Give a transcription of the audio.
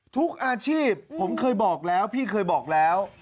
ทุกอาชีพผมเคยบอกแล้วพี่เคยบอกแล้ว